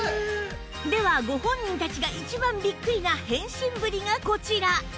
ではご本人たちが一番ビックリな変身ぶりがこちら